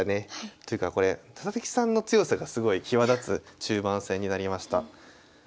というかこれ佐々木さんの強さがすごい際立つ中盤戦になりました。